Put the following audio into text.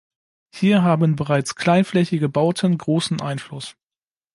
Hier haben bereits kleinflächige Bauten großen Einfluss.